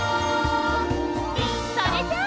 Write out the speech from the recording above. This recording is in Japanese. それじゃあ！